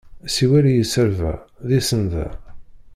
Siwel i yiserba, d isenda!